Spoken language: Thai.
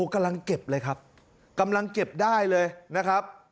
กำลังเก็บเลยครับกำลังเก็บได้เลยนะครับ